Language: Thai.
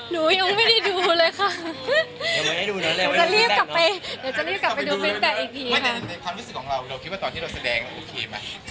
ในความรู้สึกของเราคิดว่าตอนที่เราแสดงโอเคไหม